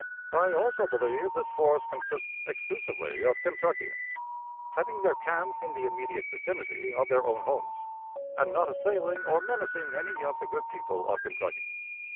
"I also believe this force consists exclusively of Kentuckians, having their camp in the immediate vicinity of their own homes, and not assailing or menacing any of the good people of Kentucky.